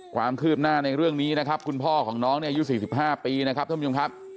ความคืบหน้าในเรื่องนี้นะครับคุณพ่อของน้องเนี่ยอายุ๔๕ปีนะครับท่านผู้ชมครับ